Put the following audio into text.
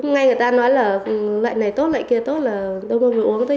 ngay người ta nói là loại này tốt loại kia tốt là đâu có người uống tới